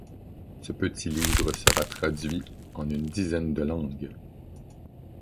Ce petit livre sera traduit en une dizaine de langues.